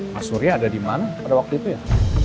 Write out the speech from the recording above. mas surya ada di mana pada waktu itu ya